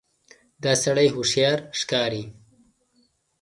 دا سړی هوښیار ښکاري.